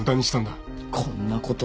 こんなことって。